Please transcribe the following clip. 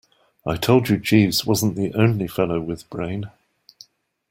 I told you Jeeves wasn't the only fellow with brain.